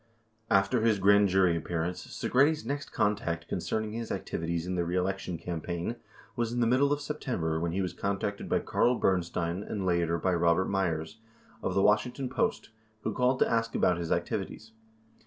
181 After his grand jury appearance, Segretti's next contact concern ing his activities in the reelection campaign was in the middle of September when he was contacted by Carl Bernstein and later, by Robert Meyers of the Washington Post who called to ask about his activities.